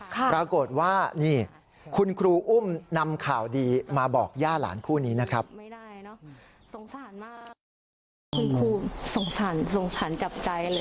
ปรากฏว่านี่คุณครูอุ้มนำข่าวดีมาบอกย่าหลานคู่นี้นะครับ